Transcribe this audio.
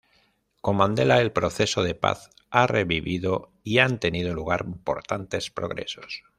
Con Mandela, el proceso de paz ha revivido y han tenido lugar importantes progresos.